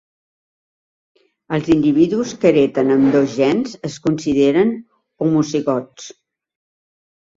Els individus que hereten ambdós gens es consideren homozigots.